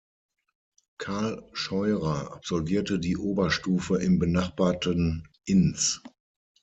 Karl Scheurer absolvierte die Oberstufe im benachbarten Ins.